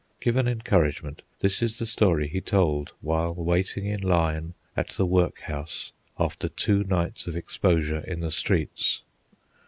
Given encouragement, this is the story he told while waiting in line at the workhouse after two nights of exposure in the streets.